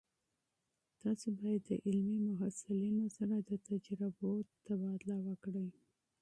تاسو باید د علمي محصلینو سره د تجربو تبادله وکړئ.